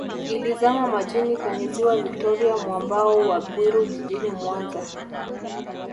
Ilizama majini kwenye Ziwa Victoria mwambao wa Bwiru Jijini Mwanza